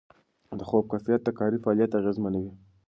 د خوب کیفیت د کاري فعالیت اغېزمنوي.